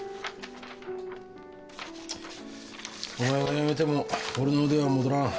「お前が辞めても俺の腕は戻らん」